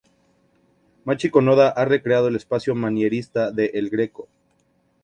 Michiko Noda ha recreado el espacio manierista de El Greco.